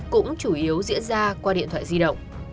cũng chủ yếu diễn ra qua điện thoại di động